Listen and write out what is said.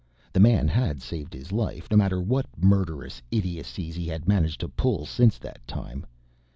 The man had saved his life, no matter what murderous idiocies he had managed to pull since that time.